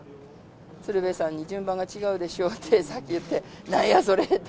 鶴瓶さんに順番が違うでしょってさっき言って、なんやそれって